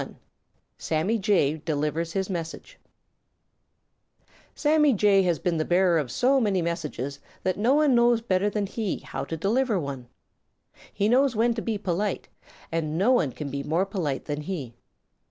XXI SAMMY JAY DELIVERS HIS MESSAGE Sammy Jay has been the bearer of so many messages that no one knows better than he how to deliver one. He knows when to be polite, and no one can be more polite than he.